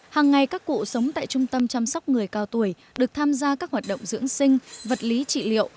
hàng ngày các cụ sống tại trung tâm chăm sóc người cao tuổi được tham gia các hoạt động dưỡng sinh vật lý trị liệu